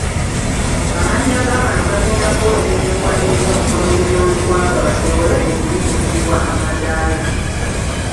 Amannya gabano gagenda kuweerezebwa eri omukulembeze we ggwanga basobole okulinnyisibwa amadaala.